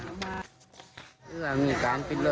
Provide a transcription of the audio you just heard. แล้วผมเป็นเพื่อนกับพระนกแต่ผมก็ไม่เคยช่วยเหลือเสียแป้ง